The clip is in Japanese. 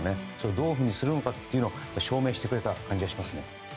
どういうふうにするのか証明してくれた感じがします。